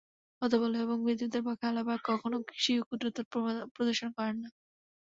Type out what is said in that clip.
হতবল এবং ভীতুদের পক্ষে আল্লাহ পাক কখনো স্বীয় কুদরত প্রদর্শন করেন না।